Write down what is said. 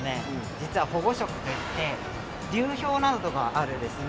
実は保護色といって流氷などとかがあるですね